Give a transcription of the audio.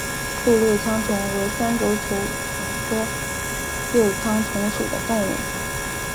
栗六枪虫为三轴球虫科六枪虫属的动物。